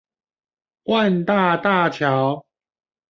萬大大橋